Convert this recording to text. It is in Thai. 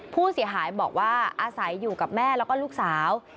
ผู้เสียหายบอกว่าอาศัยอยู่กับแม่แล้วก็ลูกสาว